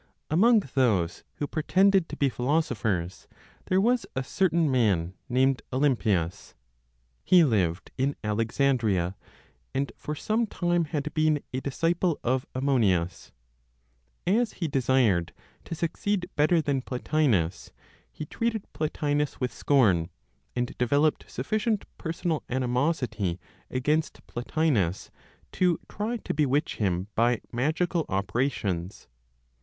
Among those who pretended to be philosophers, there was a certain man named Olympius. He lived in Alexandria, and for some time had been a disciple of Ammonius. As he desired to succeed better than Plotinos, he treated Plotinos with scorn, and developed sufficient personal animosity against Plotinos to try to bewitch him by magical operations.